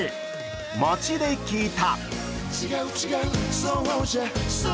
街で聞いた。